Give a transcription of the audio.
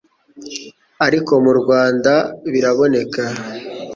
ariko mu Rwanda biraboneka.